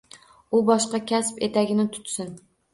U boshqa kasb etagini tutsin.